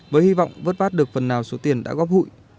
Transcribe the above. với hy vọng vớt vát được phần nào số tiền đã góp hụi